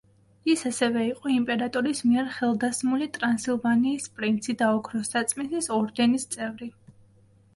ის ასევე იყო იმპერატორის მიერ ხელდასმული ტრანსილვანიის პრინცი და ოქროს საწმისის ორდენის წევრი.